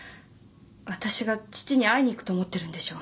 わたしが父に会いに行くと思ってるんでしょう。